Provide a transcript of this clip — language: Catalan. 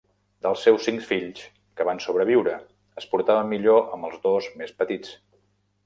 Dels seus cinc fills que van sobreviure, es portava millor amb el els dos més petits.